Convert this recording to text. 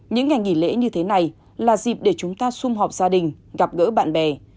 những ngày nghỉ lễ như thế này là dịp để chúng ta xung họp gia đình gặp gỡ bạn bè